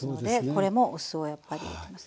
これもお酢をやっぱり入れます。